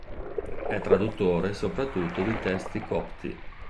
È traduttore soprattutto di testi copti.